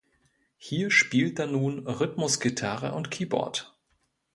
Hier spielt er nun Rhythmusgitarre und Keyboard.